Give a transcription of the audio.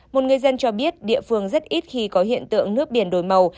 một người dân cho biết địa phương rất ít khi có hiện tượng nước biển đổi màu